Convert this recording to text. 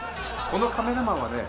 このカメラマンはね